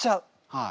はい。